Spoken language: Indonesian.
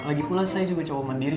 lagipula saya juga cowok mandiri